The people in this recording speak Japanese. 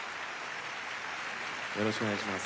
よろしくお願いします。